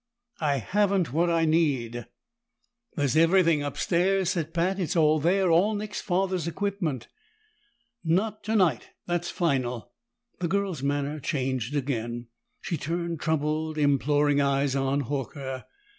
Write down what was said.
"I haven't what I need." "There's everything upstairs," said Pat. "It's all there, all Nick's father's equipment." "Not tonight! That's final." The girl's manner changed again. She turned troubled, imploring eyes on Horker.